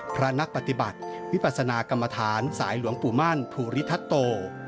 นักปฏิบัติวิปัสนากรรมฐานสายหลวงปู่มั่นภูริทัตโต